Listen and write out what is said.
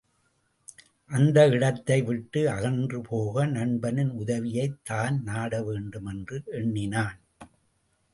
அந்த இடத்தை விட்டு அகன்று போக நண்பனின் உதவியைத் தான் நாடவேண்டும் என்று எண்ணினான்.